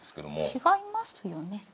違いますよね？